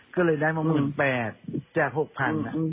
ก็เลยได้มา๑๘๐๐จาก๖๐๐บาท